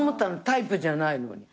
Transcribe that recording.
タイプじゃないのに。